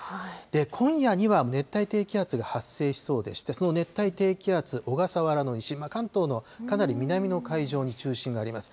今夜には熱帯低気圧が発生しそうでして、その熱帯低気圧、小笠原の西、関東のかなり南の海上に中心があります。